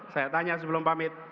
saya tanya sebelum pamit